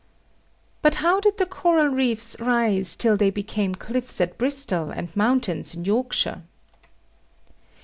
But how did the coral reefs rise till they became cliffs at Bristol and mountains in Yorkshire?